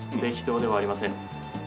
適当ではありません。